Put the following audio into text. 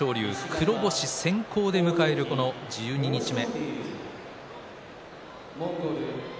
黒星先行で迎えるこの十二日目。